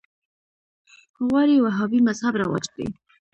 غواړي وهابي مذهب رواج کړي